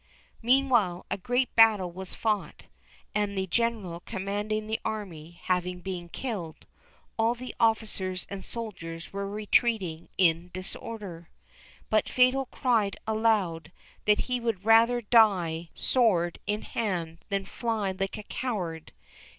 Meanwhile a great battle was fought, and the General commanding the army having been killed, all the officers and soldiers were retreating in disorder, but Fatal cried aloud that he would rather die sword in hand than fly like a coward.